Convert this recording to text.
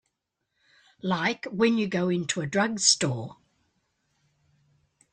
Like when you go into a drugstore.